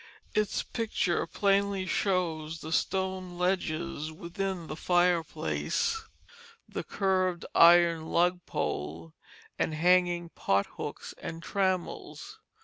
Its picture plainly shows the stone ledges within the fireplace, the curved iron lug pole, and hanging pothooks and trammels.